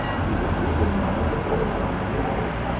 He was reading one of the bills on the walls.